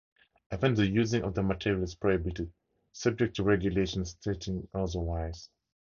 Even the using of the material is prohibited subject to regulations stating otherwise.